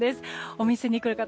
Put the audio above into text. お店に来る方